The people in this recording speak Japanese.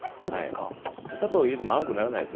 砂糖入れても甘くならないんです。